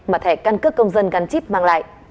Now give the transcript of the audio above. mà thẻ căn cước công dân gắn chip mang lại